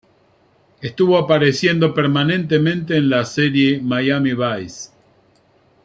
Estuvo apareciendo permanentemente en la serie "Miami Vice".